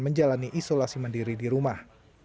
menjalani isolasi mandiri di rumah